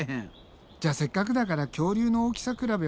じゃあせっかくだから恐竜の大きさ比べをもっとしていこうか。